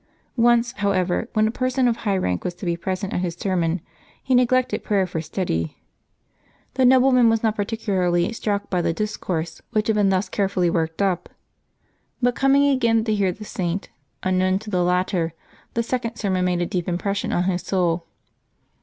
Once, however, when a person of high rank was to be present at his sermon he neglected prayer for study. The nobleman was not particularly Apml 6] LIVES OF THE SAINTS 137 struck by the discourse which had been thus carefully worked up; but coming again to hear the Saint, unknown to the latter, the second sermon made a deep impression on his soul.